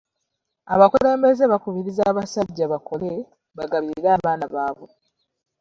Abakulembeze bakubiriza abasajjaa bakole bagabirire abaana baabwe.